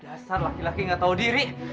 dasar laki laki gak tahu diri